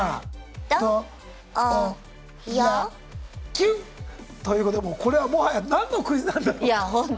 きゅん！ということでもうこれはもはや何のクイズなんだろうと。